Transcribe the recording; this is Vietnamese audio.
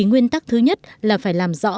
nguyên tắc thứ nhất là phải làm rõ